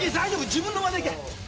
自分の間でいけ！